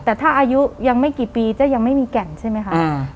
แต่ถ้าอายุยังไม่กี่ปีจะยังไม่มีแก่นใช่ไหมคะ